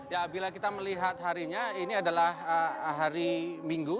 ya bila kita melihat harinya ini adalah hari minggu